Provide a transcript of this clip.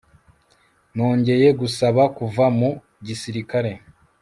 nongeye gusaba kuva mu gisirikare